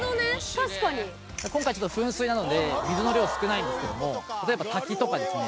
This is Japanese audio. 今回はちょっと噴水なので水の量少ないんですけども例えば滝とかですね